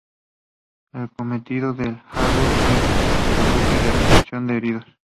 El cometido del "Argus" fue el de buque de recepción de heridos.